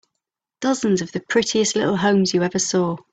Dozens of the prettiest little homes you ever saw.